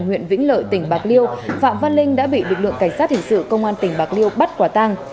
huyện vĩnh lợi tỉnh bạc liêu phạm văn linh đã bị lực lượng cảnh sát hình sự công an tỉnh bạc liêu bắt quả tang